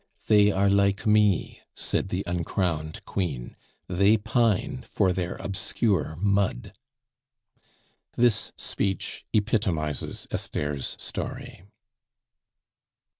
"They are like me," said the uncrowned queen; "they pine for their obscure mud." This speech epitomizes Esther's story.